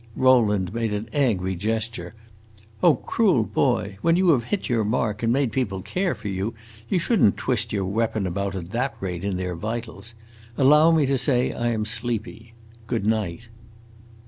Rowland made an angry gesture. "Oh, cruel boy! When you have hit your mark and made people care for you, you should n't twist your weapon about at that rate in their vitals. Allow me to say I am sleepy. Good night!"